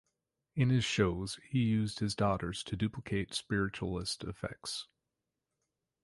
In his shows, he used his daughters to duplicate spiritualist effects.